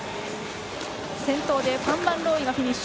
先頭でファンバンローイがフィニッシュ。